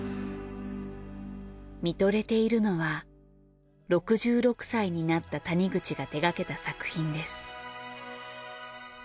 見とれているのは６６歳になった谷口が手がけた作品です。